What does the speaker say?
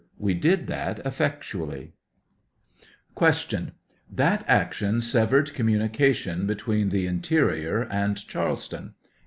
We did that effectually. 113 Q. That action severed communication between the interior and Charleston